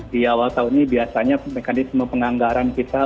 di awal tahun ini biasanya mekanisme penganggaran kita